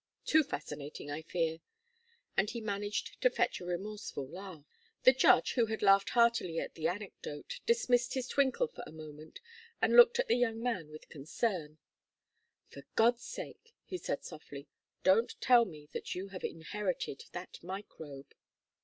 Too fascinating, I fear." And he managed to fetch a remorseful sigh. The judge, who had laughed heartily at the anecdote, dismissed his twinkle for a moment, and looked at the young man with concern. "For God's sake," he said, softly, "don't tell me that you have inherited that microbe."